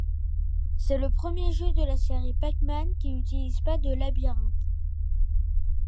C'est le premier jeu de la série Pac-Man qui n'utilise pas de labyrinthe.